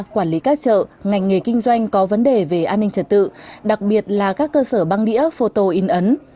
quản lý các chợ ngành nghề kinh doanh có vấn đề về an ninh trật tự đặc biệt là các cơ sở băng đĩa photo in ấn